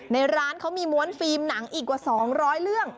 ในร้านเขามีม้วนฟิล์มหนังอีกกว่า๒๐๐เรื่อง